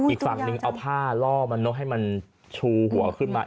อีกฝั่งนึงเอาผ้าล่อมนุษย์ให้มันชูหัวขึ้นมา